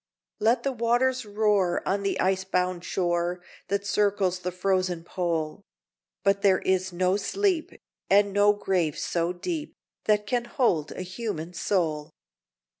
Let the waters roar on the ice bound shore, That circles the frozen pole; But there is no sleep, and no grave so deep, That can hold a human soul.